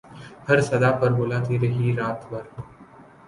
ہر صدا پر بلاتی رہی رات بھر